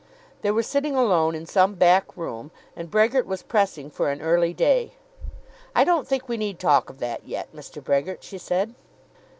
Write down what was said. They were sitting alone in some back room, and Brehgert was pressing for an early day. "I don't think we need talk of that yet, Mr. Brehgert," she said.